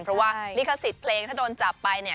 เพราะว่าลิขสิทธิ์เพลงถ้าโดนจับไปเนี่ย